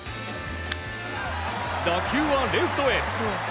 打球はレフトへ。